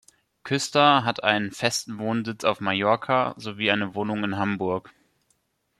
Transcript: Küster hat einen festen Wohnsitz auf Mallorca sowie eine Wohnung in Hamburg.